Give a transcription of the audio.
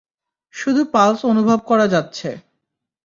শুধু পালস অনুভব করা যাচ্ছে।